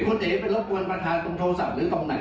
คุณเอ๋ไปรบกวนประธานตรงโทรศัพท์หรือตรงไหน